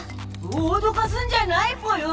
おどかすんじゃないぽよ！